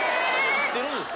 ・知ってるんですか？